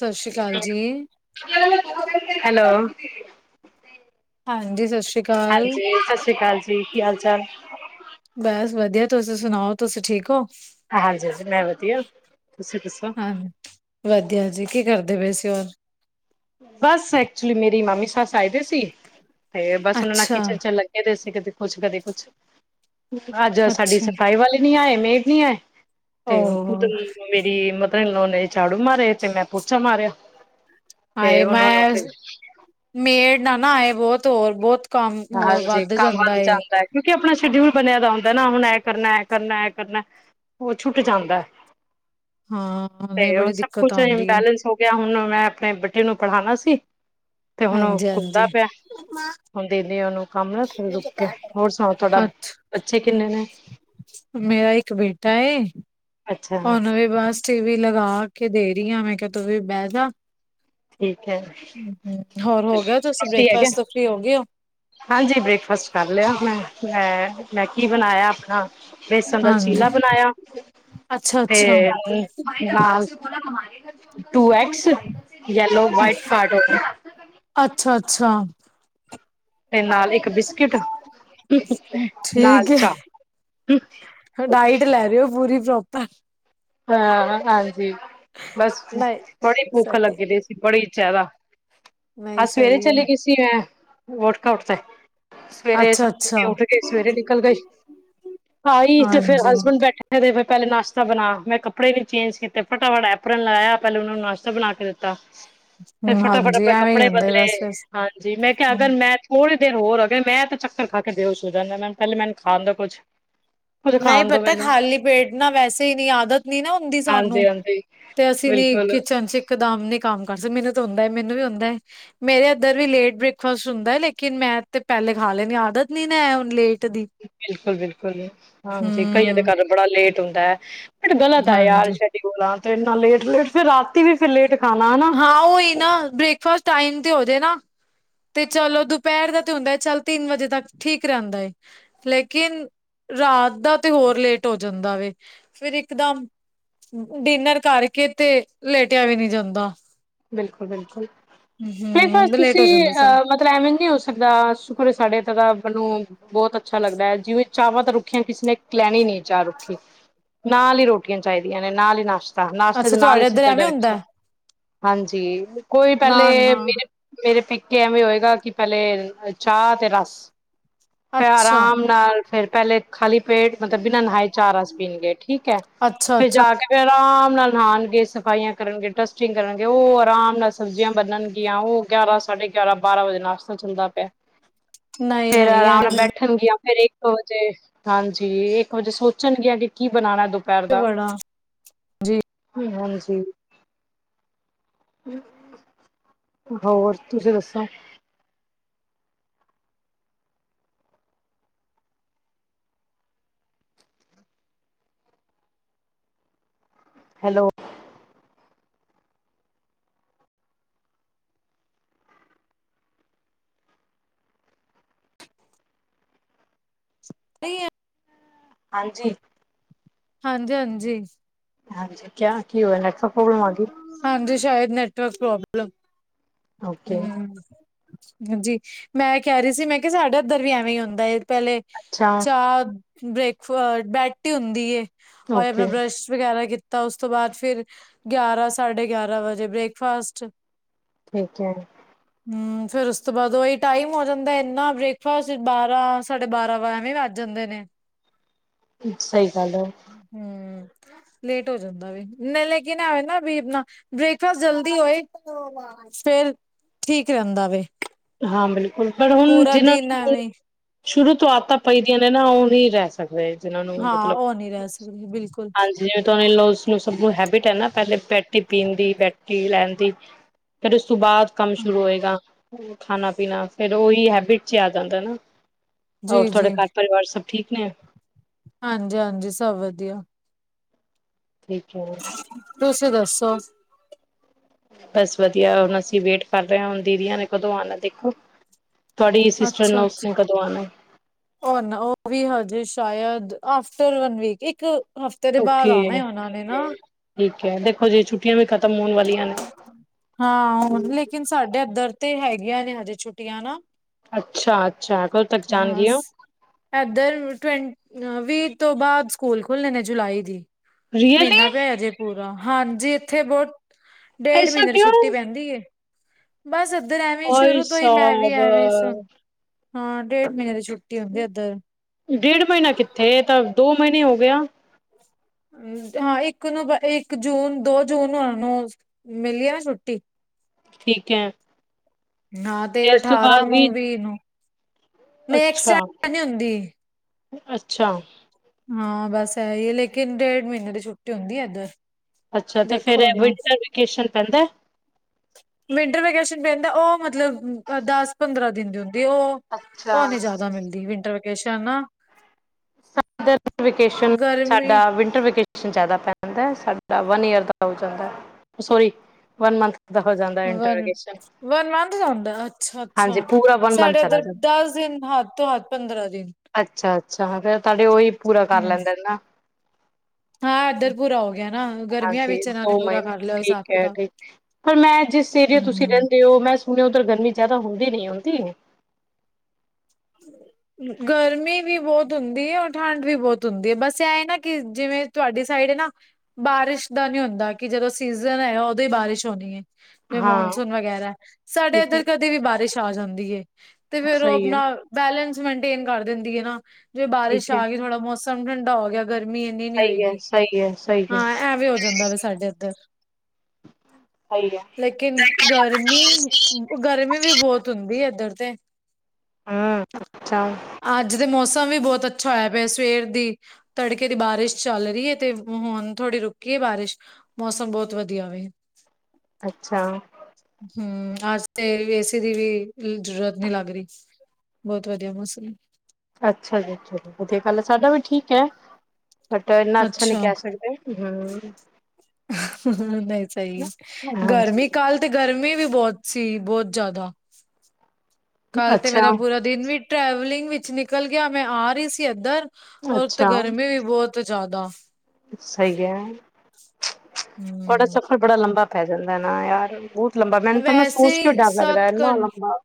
ਸਸ ਸ਼੍ਰੀ ਕਾਲ ਜੀ। ਹੈਲੋ। ਹਾਂਜੀ, ਸਤਿ ਸ਼੍ਰੀ ਕਾਲ। ਹਾਂਜੀ, ਸਸ ਸ੍ਰੀ ਕਾਲ ਜੀ, ਕੀ ਹਾਲ- ਚਾਲ। ਬਸ ਵਧੀਆ, ਤੁਸੀ ਸੁਣਾਓ, ਤੁਸੀ ਠੀਕ ਓ। ਹਾਂਜੀ- ਹਾਂਜੀ ਮੈਂ ਵਧੀਆ, ਤੁਸੀ ਦੱਸੋ। ਹਾਂ ਵਧੀਆ ਜੀ, ਕੀ ਕਰਦੇ ਪੇ ਸੀ ਹੋਰ। ਬਸ ਐਕਚੁਲੀ ਮੇਰੀ ਮਾਮੀ ਸੱਸ ਆਏ ਦੇ ਸੀ ਤੇ ਬਸ ਉਨਾਂ ਨਾਲ ਅੱਛਾ, ਕਿਚਨ ਚ ਲੱਗ ਏ ਤੇ ਕਦੇ ਕੁਛ-ਕਦੇ ਕੁਛ ਅੱਜ ਸਾਡੀ ਅੱਛਾ ਸਫ਼ਾਈ ਵਾਲੇ ਨੀ ਆਏ ਮੇਡ ਨੀ ਆਏ ਤੇ ਖੁਦ ਓ ਮੇਰੀ ਮਦਰ ਏਨ ਲੌ ਨੇ ਝਾੜੂ ਮਾਰੇ ਤੇ ਮੈਂ ਪੋਚਾ ਮਾਰਿਆ। ਤੇ ਹਾਏ ਉਹਨਾਂ ਨੂੰ ਮੈਜ, ਫਿਰ ਮੇਡ ਨਾ ਨਾ ਆਏ ਬਹੁਤ ਹੋਰ ਬੋਤ ਕੰਮ ਹੋਰ ਹਾਂਜੀ ਵੱਧ ਕੰਮ ਜਾਂਦਾ ਏ। ਹੈ ਕਿਉਂਕਿ ਅਪਣਾ ਸ਼ਡਿਊਲ ਬਣਿਆ ਦਾ ਹੁੰਦੈ ਨਾ ਹੁਣ ਐ ਕਰਨੇ ਐ ਕਰਨੇ ਐ ਕਰਨੈ ਓ ਛੁੱਟ ਜਾਂਦੈ, ਹਾਂ ਤੇ ਨਹੀਂ ਓ ਬੜੀ ਸਭ ਦਿੱਕਤ ਕੁਛ ਆਉਂਦੀ ਏ, ਇੰਨਬੈਲੈਂਸ ਹੋ ਤੇ ਐ ਹੁਣ ਮੈਂ ਆਪਣੇ ਬੇਟੇ ਨੂੰ ਪੜਾਨਾ ਸੀ। ਤੇ ਹਾਂਜੀ -ਹਾਂਜੀ। ਦੇਨੇ ਆ ਉਹਨੂੰ ਕੰਮ ਨਾ ਥੋੜਾ ਰੁਕ ਕੇ ਹੋਰ ਸੁਣਾਓ ਤੁਹਾਡਾ ਅੱਛਾ ਬੱਚੇ ਕਿੰਨੇ ਨੇ। ਮੇਰਾ ਇੱਕ ਬੇਟਾ ਏ ਅੱਛਾ ਉਹਨੂੰ ਵੀ ਬਸ ਟੀ ਵੀ ਲਗਾ ਕੇ ਦੇ ਰੀ ਆ ਮੈਂ ਕਿਆ ਤੂੰ ਵੀ ਬਹਿ ਜਾ। ਠੀਕ ਹੈ ਹੂੰ, ਹੋਰ ਹੋਗੇ ਓ ਤੁਸੀਂ ਰੋਟੀ ਹੈਗੇ ਬ੍ਰੇਕਫਾਸਟ ਤੋਂ ਫ੍ਰੀ ਹੋਗੇ ਓ। ਹਾਂਜੀ ਬ੍ਰੇਕਫਾਸਟ ਕਰ ਲਿਆ ਮੈਂ ਮੈਂ ਕੀ ਬਣਾਇਆ ਆਪਣਾ ਵੇਸਨ ਦਾ ਹਾਂਜੀ ਚੀਲਾ ਬਨਾਇਆ ਅੱਛਾ ਤੇ ਅੱਛਾ। ਹੁਨ ਬਸ two eggs yellow, white part ਓਨ ਅੱਛਾ -ਅੱਛਾ। ਤੇ ਨਾਲ ਇੱਕ ਬਿਸਕਿਟ ਨਾਲ ਠੀਕ ਚਾਹ ਏ। ਡਾਇਟ ਲੈ ਰੇ ਓ ਪੂਰੀ ਪ੍ਰੋਪਰ। ਹਾਂ-ਹਾਂਜੀ ਬਸ ਨਹੀਂ ਬੜੀ ਭੁੱਖ ਸਹੀ ਲੱਗੀ ਦੀ ਸੀ ਬੜੀ ਜਿਆਦਾ। ਨਹੀਂ ਅੱਜ ਸਵੇਰੇ ਸਹੀ ਹੈ ਚਲੀ ਗੀ ਸੀ ਮੈਂ ਵਰਕ ਆਊਟ ਤੇ। ਸਵੇਰੇ ਸਤ ਅੱਛਾ-ਅੱਛਾ ਵਜੇ ਉੱਠ ਕੇ ਸਵੇਰੇ ਨਿਕਲ ਗਈ। ਆਈ ਤੇ ਫੇਰ ਹਾਂਜੀ ਹਸਬੈਂਡ ਬੈਠੇ ਬੈਠੇ ਦੇ ਬਈ ਪਹਿਲੇ ਨਾਸ਼ਤਾ ਬਨਾ। ਮੈਂ ਕੱਪੜੇ ਨੀ ਚੇਂਜ ਕੀਤੇ ਫਟਾ-ਫਟ ਐਪਰਨ ਲਾਯਾ ਪਹਿਲੇ ਉਨਾਂ ਨੂੰ ਨਾਸ਼ਤਾ ਬਣਾ ਕੇ ਦਿੱਤਾ। ਫੇਰ ਫਟਾ-ਫਟ ਹਾਂਜੀ ਆਪਣੇ ਐਵੇਂ ਹੀ ਕੱਪੜੇ ਹੁੰਦਾ ਬਦਲੇ ਬਸ ਫਿਰ ਹਾਂਜੀ ਮੈਂ ਕਿਹਾ ਅਗਰ ਮੈਂ ਥੋੜੀ ਦੇਰ ਹੋਰ ਆ ਗਏ ਮੈਂ ਤਾਂ ਚੱਕਰ ਖਾ ਕੇ ਬੇਹੋਸ਼ ਹੋ ਜਾਣਾ ਮੈਂ ਪਹਿਲੇ ਮੈਨੂੰ ਖਾਣ ਦੋ ਕੁਛ ਨਈਂ ਪਤਾ ਖਾਲੀ ਪੇਟ ਨਾ ਵੈਸੇ ਈ ਨੀਂ ਆਦਤ ਨੀ ਨਾ ਹੁੰਦੀ ਹਾਂਜੀ ਸਾਨੂੰ, ਹਾਂਜੀ ਤੇ ਅਸੀਂ ਨੀ ਬਿਲਕੁਲ ਕਿਚਨ ਚ ਇਕਦਮ ਨੀ ਕੰਮ ਕਰ ਸਕ ਮੈਨੂੰ ਤੇ ਹੁੰਦੈ ਮੈਨੂੰ ਵੀ ਹੁੰਦੈ ਮੇਰੇ ਐਧਰ ਵੀ ਲੇਟ ਬ੍ਰੇਕਫਾਸਟ ਹੁੰਦੈ ਲੇਕਿਨ ਮੈਂ ਤੇ ਪਹਿਲੇ ਖਾ ਲੈਨੀ ਆਦਤ ਨੀ ਨਾ ਹੁਣ ਲੇਟ ਦੀ। ਬਿਲਕੁਲ-ਬਿਲਕੁਲ, ਹਾਂਜੀ ਕਈਆਂ ਦੇ ਹਮ ਘਰ ਬੜਾ ਲੇਟ ਹੁੰਦੇ ਬਟ ਗਲਤ ਐ ਯਾਰ ਹਾਂਜੀ [unintelligible] ਤੇ ਇੰਨਾ ਲੇਟ-ਲੇਟ ਫੇਰ ਰਾਤੀ ਵੀ ਫੇਰ ਲੇਟ ਖਾਣਾ ਹਨਾ। ਹਾਂ ਓਈ ਨਾ ਬ੍ਰੇਕ ਫਸਟ ਟਾਈਮ ਤੇ ਹੋਜੇ ਨਾ ਤੇ ਚਲੋ ਦੁਪਹਿਰ ਦਾ ਤੇ ਹੁੰਦਾ ਚੱਲ ਤਿੰਨ ਵਜੇ ਤੱਕ ਠੀਕ ਰਹਿੰਦਾ ਏ। ਲੇਕਿਨ ਰਾਤ ਦਾ ਤੇ ਹੋਰ ਲੇਟ ਹੋ ਜਾਂਦਾ ਵੇ ਫੇਰ ਇਕਦਮ ਡਿਨਰ ਕਰਕੇ ਤੇ ਲੇਟਿਆ ਵੀ ਨੀਂ ਜਾਂਦਾ। ਬਿਲਕੁਲ-ਬਿਲਕੁਲ ਬ੍ਰੇਕਫਾਸਟ ਹਮ ਲੇਟ ਹੋ ਤੁਸੀਂ ਜਾਂਦਾ ਸਰ ਅ ਮਤਲ ਫੇਰ ਐਂਵੇ ਨੀ ਹੋ ਸਕਦਾ ਸ਼ੁਕਰ ਏ ਸਾਡੇ ਤੇ ਰੱਬ ਨੂੰ ਬਹੁਤ ਅੱਛਾ ਲੱਗਦੈ ਜਿਵੇਂ ਚਾਵਾਂ ਤੇ ਰੁੱਖਿਆਂ ਕਿਸੇ ਨੇ ਲੈਣੀ ਨੀ ਚਾਹ ਰੁੱਖੀ। ਨਾਲ ਈ ਰੋਟੀਆਂ ਚਾਈਦੀਆਂ ਨੇ ਨਾਲ ਈ ਨਾਸ਼ਤਾ ਨਾਸ਼ਤਾ ਅੱਛਾ ਦੇ ਨਾਲ ਈ ਤੁਹਾਡੇ ਇੱਧਰ ਸਿੱਧਾ ਐਵੇਂ ਡਾਇਰੈਕਟ ਸਬ ਹੁੰਦਾ ਹਾਂਜੀ, ਕੋਈ ਨਾ ਪਹਿਲੇ ਨਾ ਮੇਰੇ ਮੇਰੇ ਪੇਕੇ ਐਵੇਂ ਹੋਏਗਾ ਕਿ ਪਹਿਲੇ ਚਾਹ ਤੇ ਰਸ ਫੇਰ ਅੱਛਾ ਆਰਾਮ ਨਾਲ ਫੇਰ ਪਹਿਲੇ ਖਾਲੀ ਪੇਟ ਮਤਲਬ ਬਿਨਾਂ ਨਹਾਏ ਚਾਹ ਰਸ ਪੀਣਗੇ ਠੀਕ ਐ, ਅੱਛਾ ਫੇਰ ਅੱਛਾ ਜਾ ਕੇ ਫੇਰ ਆਰਾਮ ਨਾਲ ਨਹਾਣਗੇ, ਸਫਾਈਆਂ ਕਰਨਗੇ, ਡਸਟਿੰਗ ਕਰਨਗੇ, ਓ ਆਰਾਮ ਨਾਲ ਸਬਜੀਆਂ ਬਨਣਗੀਆਂ ਓ ਗਿਆਰਾਂ-ਸਾਢੇ ਗਿਆਰਾਂ ਬਾਰਾਂ ਵਜੇ ਨਾਸ਼ਤਾ ਚਲਦਾ ਪਿਆ। ਨਈ-ਨਈ ਐਂ ਵੇਖਣਗੀਆਂ ਫਿਰ ਇਕ ਵਜੇ। ਹਾਂਜੀ, ਇਕ ਵਜੇ ਸੋਚਣਗੀਆਂ ਕਿ ਕੀ ਬਣਾਣਾ ਦੁ ਪਹਿਰ ਦਾ, ਬੜਾ ਜੀ ਹਾਂਜੀ। ਹੋਰ, ਤੁਸੀਂ ਦੱਸੋ? ਹੈਲੋ? ਨਹੀਂ ਐ ਹਾਂਜੀ! ਹਾਂਜੀ-ਹਾਂਜੀ। ਹਾਂਜੀ, ਕਿਆ ਕੀ ਹੋਇਆ ਨੈਟਵਰਕ ਪ੍ਰੋਬਲਮ ਆ ਗੀ? ਹਾਂਜੀ, ਸ਼ਾਏਦ ਨੈਟਵਰਕ ਪ੍ਰੋਬਲਮ। ਓਕੇ ਹੂ, ਹਾਂਜੀ। ਮੈਂ ਏ ਕੈ ਰੀ ਸੀ ਮੈਂ ਕਿਹਾ ਸਾਡੇ ਏਧਰ ਵੀ ਐਵੇਂ ਈ ਹੁੰਦਾ ਏ ਪੈਲੇ ਅੱਛਾ ਚਾ ਬ੍ਰੇਕ ਫ, ਬੈਟ ਈ ਹੁੰਦੀ, ਔਰ ਆਪਣਾ ਓਕੇ ਬਰੱਸ਼ ਵਗੈਰਾ ਕੀਤਾ, ਉਸ ਤੋਂ ਬਾਦ ਫਿਰ, ਗਿਆਰਾਂ- ਸਾਢੇ ਗਿਆਰਾਂ ਵਜੇ ਬ੍ਰੇਕਫਾਸਟ। ਠੀਕ ਐ। ਹੂੰ, ਫੇਰ ਉਸ ਤੋਂ ਬਾਦ ਓਹੀ ਟਾਈਮ ਹੋ ਜਾਂਦਾ ਏਂਨਾ ਬ੍ਰੇਕਫਾਸਟ ਬਾਰਾਂ, ਸਾਢੇ ਬਾਰਾਂ ਵ ਐਵੇਂ ਵੱਜ ਜਾਂਦੇ ਨੇ। ਸਈ ਗੱਲ ਐ। ਹੂੰ, ਲੇਟ ਹੋ ਜਾਂਦਾ ਵੈ, ਨਈ ਲੇਕਿਨ ਆਵੈ ਨਾ ਵੀਰ ਨਾ। ਬ੍ਰੇਕਫਾਸਟ ਜਲਦੀ ਹੋਏ ਫੇਰ, ਠੀਕ ਰੈਂਦਾ ਵੇ। ਹਾਂ ਬਿਲਕੁਲ, ਪਰ ਹੁਣ ਪੂਰਾ ਜਿੰਨਾਂ ਦਿਨ ਨੂੰ, ਐਵੇਂ ਸ਼ੁਰੂ ਤੋਂ ਆਦਤਾਂ ਪਈਦੀਆਂ ਨੇ ਨਾ ਓ ਨੀ ਰਹਿ ਸ ਸਕਦੇ ਜਿੰਨਾਂ ਨੂੰ ਹਾਂ ਮਤਲਬ, ਉਹ ਨਹੀਂ ਰਹਿ ਸਕਦੀ ਬਿਲਕੁਲ ਹਾਂਜੀ। ਜਿਵੇਂ ਤੁਆਨੂੰ ਇਨਲੋਸ ਨੂੰ ਸਬ ਨੂੰ ਹੈਬਿਟ ਐ ਨਾ, ਪੈਲੇ ਪੈਟੀ ਪੀਣ ਦੀ, ਪੈਟੀ ਲੈਣ ਦੀ ਫਿਰ ਉਸ ਤੋਂ ਬਾਦ ਕੰਮ ਸ਼ੁਰੂ ਹੋਏਗਾ, ਖਾਣਾ-ਪੀਣਾ, ਫੇਰ ਓਈ ਹੈਬਿਟ ਚ ਈ ਆ ਜਾਂਦਾ ਨਾ। ਹੋਰ ਜੀ ਤੁਆਡੇ ਜੀ ਘਰ ਪਰਿਵਾਰ ਸਬ ਠੀਕ ਨੇ? ਹਾਂਜੀ-ਹਾਂਜੀ, ਸਭ ਵਧੀਆ। ਠੀਕ ਐ। ਤੁਸੀਂ ਦੱਸੋ? ਬਸ ਵਧੀਆ, ਹੁਣ ਅਸੀਂ ਵੇਟ ਕਰਦੇ ਆਂ ਹੁਣ ਦੀਦੀਆਂ ਨੇ ਕਦੋਂ ਆਣਾ ਦੇਖੋ? ਤੁਆਡੀ ਸਿਸਟਰ ਇਨਲੋਸ ਨੇ ਕਦੋਂ ਆਣਾ? ਹੁਨ ਓ ਵੀ ਹਜੇ ਸ਼ਾਇਦ, ਆਫਟਰ ਵਨ ਵੀਕ ਇੱਕ ਹਫ਼ਤੇ ਦੇ ਬਾਦ ਓਕੇ ਆਣਾ ਓਨਾ ਨੇ ਨਾ। ਠੀਕ ਐ, ਦੇਖੋ ਜੀ ਛੁੱਟੀਆਂ ਵੀ ਖਤਮ ਹੋਣ ਵਾਲੀਆਂ ਨੇ। ਹਾਂ, ਲੇਕਿਨ ਸਾਡੇ ਏਧਰ ਤੇ ਹੈਗੀਆਂ ਨੇ, ਹਜੇ ਛੁੱਟੀਆਂ ਨਾ। ਅੱਛਾ-ਅੱਛਾ। ਕ ਹੂ ਬਸ ਐਧਰ ਟ੍ਵੇਂਨ ਵੀਹ ਤੋਂ ਬਾਦ ਸਕੂਲ ਖੁੱਲਣੇ ਨੇ ਜੁਲਾਈ ਦੀ। ਮੀਨਾ ਪਿਆ ਅਜੇ ਪੂਰਾ, ਹਾਂਜੀ ਇਥੇ ਬੋਤ ਡੇਢ ਮੀਨੇ ਦੀ ਛੁੱਟੀ ਪੈਂਦੀ ਏ। ਬਸ ਏਧਰ ਐਵੇਂ ਈ ਸ਼ੁਰੂ ਤੋਂ ਈ ਮੈਂ ਵੀ ਐਵੇਂ ਸੁ ਹਾਂ, ਡੇਢ ਮੀਨੇ ਦੀ ਛੁੱਟੀ ਹੁੰਦੀ ਏਧਰ। ਡੇਢ ਮੀਨਾ ਕਿੱਥੇ, ਏ ਤਾਂ ਦੋ ਮਈਨੇ ਹੋ ਗਏ ਆ। ਹੂੰ, ਹਾਂ ਇਕ ਨੂੰ ਬ, ਇਕ ਜੂਨ, ਦੋ ਜੂਨ ਨੂੰ ਓਨੂੰ ਮਿਲੀ ਆ ਛੁੱਟੀ। ਠੀਕ ਐ। ਨਾ ਤੇ ਅਠਾਰਾਂ ਨੂੰ ਵੀ ਅੱਛਾ, ਅੱਛਾ। ਹਾਂ, ਬਸ ਐ ਈ ਹੈ ਲੇਕਿਨ ਡੇਢ ਮਹੀਨੇ ਦੀ ਛੁੱਟੀ ਹੁੰਦੀ ਐ ਇੱਧਰ। ਅੱਛਾ, ਤਾਂ ਫੇਰ ਦੇਖੋ ਨਾ ਵਿੰਟਰ ਵੇਕੇਸ਼ਨ ਪੈਂਦਾ ਐ। ਵਿੰਟਰ ਵੈਕੇਸ਼ਨ ਪੈਂਦਾ ਐ, ਓ ਮਤਲਬ ਦੱਸ ਪੰਦਰਾਂ ਦਿਨ ਦੀ ਹੁੰਦੀ ਊ ਅੱਛਾ। ਉਹ ਨੀ ਜਾਦਾ ਮਿਲਦੀ ਵਿੰਟਰ ਵੇਕੇਸ਼ਨ ਨਾ। ਵਕੇਸ਼ਨ ਗਰਮੀ ਸਾਡਾ ਵਿੰਟਰ ਵਕੇਸ਼ਨ ਜਾਦਾ ਪੈਂਦਾ ਐ, ਸਾਡਾ ਵਨ ਈਯਰ ਦਾ ਹੋ ਜਾਂਦਾ ਐ, ਓ ਸੌਰੀ ਵਨ ਮੰਥ [unintelligible] ਦਾ inter one vacation one month ਦਾ ਹੁੰਦਾ, ਅੱਛਾ-ਅੱਛਾ। ਪੂਰਾ ਵਨ ਮੰਥ ਸਾਡੇ ਚਲਾ ਇੱਧਰ ਜਾਂਦਾ। ਦੱਸ ਦਿਨ, ਹੱਦ ਤੋਂ ਹੱਦ ਪੰਦਰਾਂ ਦਿਨ ਅੱਛਾ-ਅੱਛਾ, ਫੇਰ ਤੁਹਾਡੇ ਉਹੀ ਪੂਰਾ ਕਰ ਹਮ ਲੈਂਦੇ ਨੇ ਨਾ? ਹਾਂ ਇੱਧਰ ਪੂਰਾ ਹੋ ਗਿਆ ਨਾ ਗਰਮੀਆਂ ਹਾਂਜੀ, ਵਿੱਚ ਇਹਨਾਂ ਨੇ ਦੋ ਪੂਰਾ ਮਹੀਨੇ ਕਰ ਲਿਆ ਹਿਸਾਬ ਠੀਕ ਐ ਕਿਤਾਬ ਠੀਕ। ਪਰ ਮੈਂ ਜਿਸ ਏਰੀਏ ਵਿੱਚ ਤੁਸੀਂ ਹੂੰ ਰਹਿੰਦੇ ਹੋ, ਮੈਂ ਸੁਣਿਆ ਉੱਥੇ ਗਰਮੀ ਜ਼ਿਆਦਾ ਹੁੰਦੀ ਨੀ ਐ, ਹੁੰਦੀ ਐ? ਹਮ ਗਰਮੀ ਵੀ ਬੋਤ ਹੁੰਦੀ ਐ ਔਰ ਠੰਡ ਵੀ ਬੋਤ ਹੁੰਦੀ ਐ, ਬਸ ਐ ਨਾ ਕਿ ਜਿਵੇਂ ਤੁਹਾਡੀ ਸਾਈਡ ਏ ਨਾ ਬਾਰਿਸ਼ ਦਾ ਨਹੀਂ ਹੁੰਦਾ ਕੀ ਜਦੋ ਸੀਜ਼ਨ ਹੇਗਾ ਐ ਉੱਦੋ ਈ ਬਾਰਿਸ਼ ਹੋਣੀ ਏ। ਜਿਵੇਂ ਹਾਂ ਮੌਨਸੂਨ ਵਗੈਰਾ ਐ, ਸਾਡੇ ਠੀਕ ਹੈ ਇੱਧਰ ਤਾਂ ਕਦੇ ਵੀ ਬਾਰਿਸ਼ ਆ ਜਾਂਦੀ ਏ। ਤੇ ਫੇਰ ਉਹ ਸਹੀ ਹੈ ਆਪਣਾ ਬੈਲੈਂਸ ਮੈਂਟੇਨ ਕਰ ਦਿੰਦੀ ਐ ਨਾ, ਜੇਵੇ ਬਾਰਿਸ਼ ਠੀਕ ਹੈ ਆ ਗੀ ਥੋੜਾ ਮੌਸਮ ਸਮ ਠੰਡਾ ਹੋ ਗਿਆ ਗਰਮੀ ਇੰਨੀ ਨਹੀਂ ਸਹੀ ਹੈ ਹੋਵੇਗੀ, ਸਹੀ ਹੈ ਸਹੀ ਹੈ ਹਾਂ, ਐਵੇ ਹੋ ਜਾਂਦਾ ਐ ਸਾਡੇ ਇੱਧਰ। ਸਹੀ ਹੈ ਲੇਕਿਨ ਗਰਮੀ ਗਰਮੀ ਵੀ ਬਹੁਤ ਹੁੰਦੀ ਏ ਇਧਰ ਤੇ। ਹੁੰ, ਅੱਛਾ। ਅੱਜ ਦੇ ਮੌਸਮ ਵੀ ਬੋਤ ਅੱਛਾ ਹੋਇਆ ਪਿਆ ਸਵੇਰ ਦੀ ਤੜਕੇ ਦੀ ਬਾਰਿਸ਼ ਚੱਲ ਰੀ ਏ ਤੇ ਹੁਣ ਥੋੜੀ ਰੁਕੀ ਏ ਬਾਰਿਸ਼। ਮੌਸਮ ਬੋਤ ਵਧੀਆ ਵੇ। ਅੱਛਾ। ਹੁੰ, ਅੱਜ ਤੇ ਏ-ਸੀ ਦੀ ਵੀ ਜ਼ਰੂਰਤ ਨੀ ਲੱਗ ਰੀ। ਬੋਤ ਵਧੀਆ ਮੌਸਮ ਐ। ਅੱਛਾ ਜੀ, ਅੱਛਾ ਜੀ, ਵਧੀਆ ਗੱਲ ਏ ਸਾਡਾ ਵੀ ਠੀਕ ਐ। ਬਟ ਇੰਨਾ ਅੱਛਾ ਨਹੀਂ ਕਹਿ ਸਕਦੇ, ਹੁੰ। ਨਹੀਂ ਸਹੀ, ਹਾਂਜੀ ਗਰਮੀ ਕਲ ਤੇ ਗਰਮੀ ਵੀ ਬੋਤ ਸੀ, ਬੋਤ ਜਾਦਾ ਕੱਲ੍ਹ ਤੇ ਮੇਰਾ ਅੱਛਾ ਪੂਰਾ ਦਿਨ ਵੀ ਟਰੈਵਲਿੰਗ ਵਿੱਚ ਨਿਕਲ ਗਿਆ, ਮੈਂ ਆ ਰੀ ਸੀ ਇੱਧਰ। ਔਰ ਤੇ ਅੱਛਾ ਗਰਮੀ ਵੀ ਬੋਤ ਜਾਦਾ। ਸਹੀ ਕਹਿਆ, ਤੁਹਾਡਾ ਹਮ ਸਫ਼ਰ ਬੜਾ ਲੰਬਾ ਪੈ ਜਾਂਦਾ ਹਨਾ ਯਾਰ। ਲੰਬਾ, ਮੈਨੂੰ ਨਾ ਵੈਸੇ ਸੋਚ ਕੇਂ ਹੀ ਡਰ ਲੱਗਦਾ ਸੱਤ ਇੰਨਾ ਘੰ ਲੰਬਾ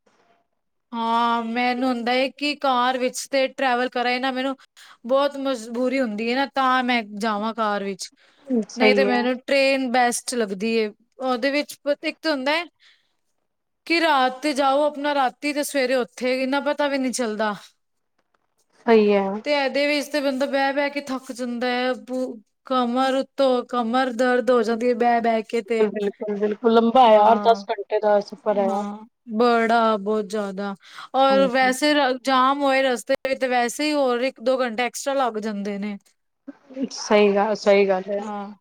ਹਾਂ, ਮੈਨੂੰ ਹੁੰਦਾ ਐ ਕਿ ਕਾਰ ਵਿੱਚ ਤੇ ਟ੍ਰੈਵਲ ਕਰਾਂ ਈ ਨਾ, ਮੈਨੂੰ ਬਹੁਤ ਮਜਬੂਰੀ ਹੁੰਦੀ ਐ ਨਾ ਤਾਂ ਮੈਂ ਜਾਵਾਂ ਕਾਰ ਵਿੱਚ। ਨਹੀਂ ਸਹੀ ਤੇ ਹੈ ਮੈਨੂੰ ਟ੍ਰੇਨ ਬੈਸਟ ਲੱਗਦੀ ਐ, ਉਹਦੇ ਵਿੱਚ ਇੱਕ ਤੇ ਹੁੰਦਾ ਐ। ਕਿ ਰਾਤ ਤੇ ਜਾਓ ਆਪਣਾ ਰਾਤੀ ਤੇ ਸਵੇਰੇ ਉੱਥੇ, ਇੰਨਾ ਪਤਾ ਵੀ ਨਹੀਂ ਚੱਲਦਾ। ਸਹੀ ਹੈ। ਤੇ [unintelligible] ਵਿੱਚ ਤਾਂ ਬੰਦਾ ਬਹਿ ਬਹਿ ਥੱਕ ਜਾਂਦਾ ਹੈ ਕਮਰ ਉੱਤੋਂ ਕਮਰ ਦਰਦ ਹੋ ਜਾਂਦੀ ਹੈ ਬਹਿ ਬਹਿ ਕੇ ਤੇ। ਬਿਲਕੁਲ ਬਿਲਕੁਲ ਲੰਬਾ ਹੈ ਯਾਰ ਹਾਂ ਦਸ ਘੰਟੇ ਦਾ ਸਫ਼ਰ ਹੈ ਯਾਰ ਹਾਂ ਬੜਾ ਬਹੁਤ ਜ਼ਿਆਦਾ ਔਰ ਹਾਂਜੀ ਵੈਸੇ ਜਾਮ ਹੋਏ ਰਸਤੇ ਵਿੱਚ ਵੈਸੇ ਹੀ ਹੋਰ ਇੱਕ ਦੋ ਘੰਟੇ ਐਕਸਟਰਾ ਲੱਗ ਜਾਂਦੇ ਨੇ। ਸਹੀ ਗੱਲ ਸਹੀ ਗੱਲ ਹੈ। ਹਾਂ,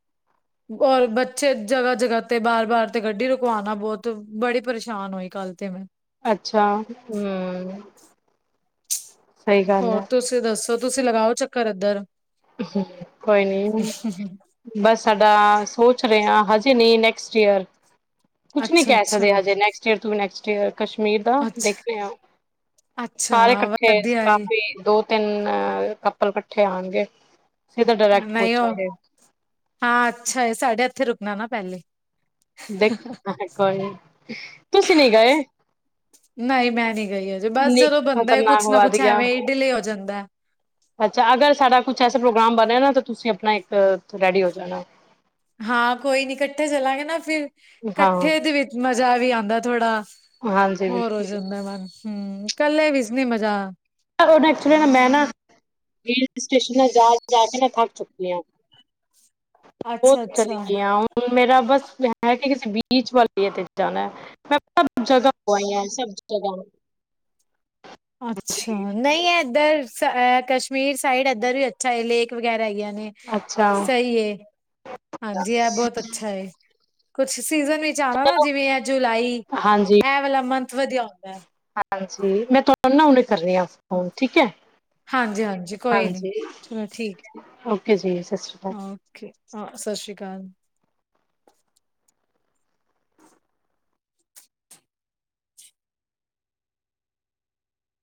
ਔਰ ਬੱਚੇ ਜਗ੍ਹਾ ਜਗ੍ਹਾ ਤੇ ਬਾਰ ਬਾਰ ਤੇ ਗੱਡੀ ਰੁਕਵਾਣਾ ਬਹੁਤ ਬੜੀ ਪਰੇਸ਼ਾਨ ਹੋਈ ਕੱਲ ਤੇ ਮੈਂ। ਅੱਛਾ ਹਮ। ਸਹੀ ਗੱਲ ਹੋਰ ਹੈ ਤੁਸੀਂ ਦੱਸੋ ਤੁਸੀਂ ਲਗਾਓ ਚੱਕਰ ਇੱਧਰ। ਅਹਮ ਕੋਈ ਨੀ। ਬਸ ਸਾਡਾ ਸੋਚ ਰਹੇ ਆ ਹਜੇ ਨਹੀਂ ਨੈਕਸਟ ਈਅਰ। ਕੁਛ ਨੀ ਅੱਛਾ ਕਹਿ ਅੱਛਾ ਸਕਦੇ ਹਜੇ ਨੈਕਸਟ ਈਅਰ ਤੋ ਵੀ ਨੈਕਸਟ ਈਅਰ। ਕਸ਼ਮੀਰ ਦਾ ਅੱਛਾ ਦੇਖ ਦੇ ਹਾਂ ਅੱਛਾ ਸਾਰੇ ਇਕੱਠੇ ਵਧੀਆ ਏ ਕਾਫੀ ਦੋ ਤਿੰਨ ਕੱਪਲ ਇਕੱਠੇ ਆਓਣਗੇ। ਨਹੀਂ ਉਹ ਹਾਂ ਅੱਛਾ ਏ ਸਾਢੇ ਇਥੇ ਰੁਕਣਾ ਨਾ ਪਹਿਲੇ। ਦੇਖੋ ਕੋਈ ਨੀ ਤੁਸੀਂ ਨਹੀਂ ਗਏ? ਨਹੀਂ ਮੈਂ ਨੀ ਗਈ ਹਜੇ ਬਸ ਇੰਨੀ ਜਦੋਂ ਬੰਦਾ ਖ਼ਤਰਨਾਕ ਕੁਛ ਨਾ ਕੁਛ ਵਾਦੀਆਂ ਐਵੇਂ ਹੀ ਡਿਲੇ ਹੋ ਜਾਂਦਾ। ਅੱਛਾ ਅਗਰ ਸਾਡਾ ਕੁਛ ਐਸਾ ਪ੍ਰੋਗਰਾਮ ਬਣੇ ਨਾ ਤਾਂ ਤੁਸੀਂ ਆਪਣਾ ਇੱਕ ਰੈਡੀ ਹੋ ਜਾਣਾ। ਹਾਂ ਕੋਈ ਨੀ ਇਕੱਠੇ ਚਲਾਂਗੇ ਨਾ ਫੇਰ ਹਾਂ ਇਕੱਠੇ ਦੇ ਵਿੱਚ ਮਜ਼ਾ ਵੀ ਆਉਂਦਾ ਥੋੜ੍ਹਾ। ਹਾਂਜੀ ਹੋਰ ਹੋ ਬਿਲਕੁਲ ਜਾਂਦਾ ਮਨ ਹਮ ਕੱਲੇ ਵਿੱਚ ਨੀ ਮਜ਼ਾ। ਉਹਨਾ ਐਕਚੁਲੀ ਨਾ ਮੈਂ ਨਾ ਹਿਲ ਸਟੇਸ਼ਨ ਨਾ ਜਾ ਜਾ ਕੇ ਨਾ ਥੱਕ ਚੁੱਕੀ ਹਾਂ। ਬਹੁਤ ਅੱਛਾ-ਅੱਛਾ। [unintelligible] ਮੇਰਾ ਬਸ ਇਹ ਹੈ ਕਿ ਕਿਸੇ ਬੀਚ ਵਾਲੇ ਤੇ ਜਾਣਾ ਹੈ। ਮੈਂ ਸਭ ਜਗ੍ਹਾ ਹੋ ਆਈਆਂ ਸਭ ਜਗ੍ਹਾ। ਅੱਛਾ ਨਹੀਂ ਹੈ ਇੱਧਰ ਕਸ਼ਮੀਰ ਸਾਈਡ ਇੱਧਰ ਵੀ ਅ ਚਾਹੇ ਲੇਕ ਵਗੈਰਾ ਹੈਗੀਆਂ ਨੇ ਅੱਛਾ ਸਹੀ ਏ। ਹਾਂਜੀ ਇਹ ਬਹੁਤ ਅੱਛਾ ਹੈ। ਕੁਛ ਸੀਜ਼ਨ ਵਿੱਚ ਆਉਣਾ ਨਾ ਜਿਵੇਂ ਆ ਜੁਲਾਈ ਹਾਂਜੀ ਇਹ ਵਾਲਾ ਮੰਥ ਵਧੀਆ ਹੁੰਦਾ ਹੈ। ਹਾਂਜੀ ਮੈਂ ਤੁਹਾਨੂੰ ਨਾ ਹੁਨੇ ਕਰ ਰਹੀ ਹਾਂ ਫੋਨ ਠੀਕ ਹੈ? ਹਾਂਜੀ ਹਾਂਜੀ ਕੋਈ ਨੀ ਹਾਂਜੀ ਚਲੋ ਠੀਕ। ਓਕੇ ਜੀ ਸਤਿ ਸ਼੍ਰੀ ਅਕਾਲ ਹਾਂ ਓਕੇ ਹਾਂ ਸਤਿ ਸ਼੍ਰੀ ਅਕਾਲ।